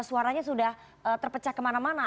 suaranya sudah terpecah kemana mana